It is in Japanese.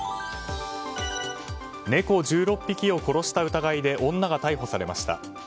猫１６匹を殺した疑いで女が逮捕されました。